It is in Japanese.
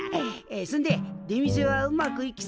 そんで出店はうまくいきそうか？